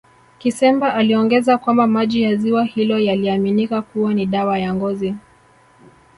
Kisemba aliongeza kwamba maji ya ziwa hilo yaliaminika kuwa ni dawa ya ngozi